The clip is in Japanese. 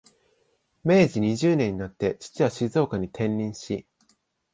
明治二十年になって、父は静岡に転任し、